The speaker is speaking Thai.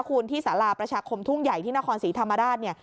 คุณที่สาราประชาคมทุ่งใหญ่ที่นครศรีธรรมราชเนี่ย